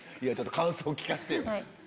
感想聞かせてよ。